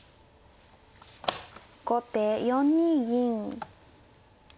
後手４二銀。